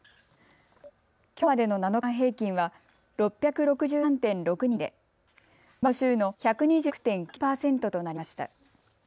きょうまでの７日間平均は６６３．６人で前の週の１２６．９％となりました。